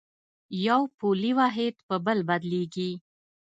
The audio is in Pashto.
یو پولي واحد په بل بدلېږي.